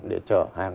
để chở hàng